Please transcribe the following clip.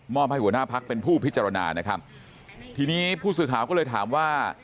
ให้หัวหน้าพักเป็นผู้พิจารณานะครับทีนี้ผู้สื่อข่าวก็เลยถามว่า